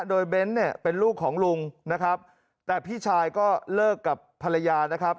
โดยเบ้นเนี่ยเป็นลูกของลุงนะครับแต่พี่ชายก็เลิกกับภรรยานะครับ